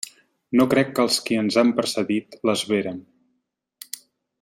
No crec que els qui ens han precedit les veren.